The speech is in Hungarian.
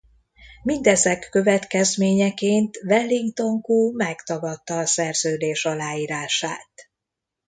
Mindezek következményeként Wellington Koo megtagadta a szerződés aláírását.